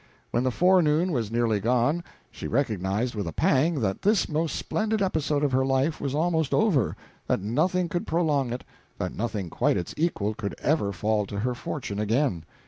When the forenoon was nearly gone, she recognized with a pang that this most splendid episode of her life was almost over, that nothing could prolong it, that nothing quite its equal could ever fall to her fortune again.